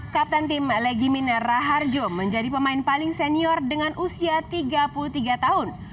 kapten tim legimin raharjo menjadi pemain paling senior dengan usia tiga puluh tiga tahun